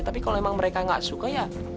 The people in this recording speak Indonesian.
tapi kalau memang mereka nggak suka ya